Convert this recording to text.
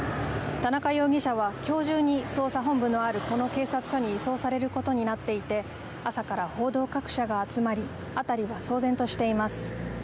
田中容疑者はきょう中に捜査本部のあるこの警察署に移送されることになっていて朝から報道各社が集まり辺りは騒然としています。